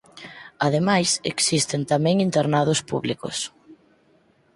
Ademais existen tamén internados públicos.